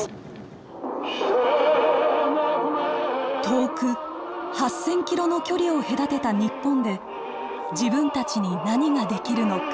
遠く８，０００キロの距離を隔てた日本で自分たちに何ができるのか？